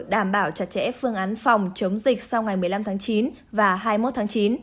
đảm bảo chặt chẽ phương án phòng chống dịch sau ngày một mươi năm tháng chín và hai mươi một tháng chín